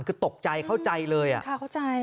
คือตกใจเข้าใจเลยค่ะเข้าใจ